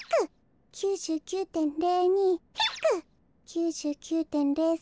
９９．０３。